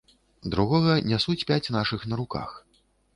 Другога нясуць пяць нашых на руках.